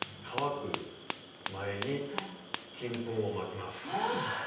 渇く前に金粉をまきます。